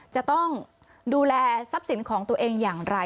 จะต้องดูแลทรัพย์สินของตัวเองอย่างไร